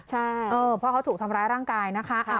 ใช่เพราะเขาถูกทำร้ายร่างกายนะคะ